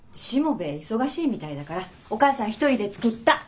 しもべえ忙しいみたいだからお母さん１人で作った。